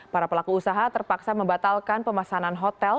para pelaku usaha terpaksa membatalkan pemesanan hotel